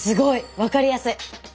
分かりやすい。